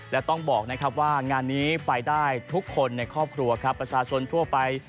และต้องบอกนะครับว่างานนี้ไปได้ทุกคนในครอบครัวครับประชาชนทั่วไป